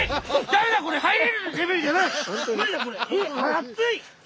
熱い！